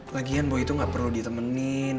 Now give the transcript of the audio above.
lagian bahwa itu gak perlu ditemenin